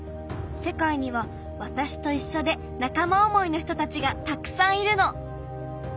世界にはわたしといっしょで仲間思いの人たちがたくさんいるの。